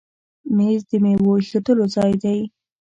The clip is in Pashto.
مېز د میوو ایښودلو ځای دی.